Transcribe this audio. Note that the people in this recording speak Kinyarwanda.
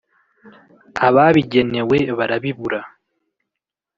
ababigenewe barabibura